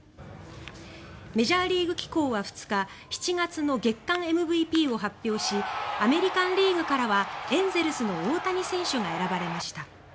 メジャーリーグ機構は２日７月の月間ＭＶＰを発表しアメリカン・リーグからはエンゼルスの大谷選手が選ばれました。